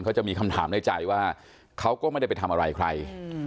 เขาจะมีคำถามในใจว่าเขาก็ไม่ได้ไปทำอะไรใคร